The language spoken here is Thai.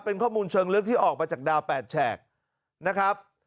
เป็นข้อมูลเชิงลึกที่ออกมาจากดาว๘แฉกนะครับ